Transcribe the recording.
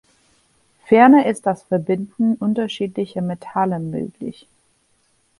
Ferner ist das Verbinden unterschiedlicher Metalle möglich.